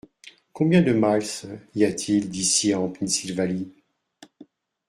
Combien de miles y a-t-il d’ici en Pennsylvanie ?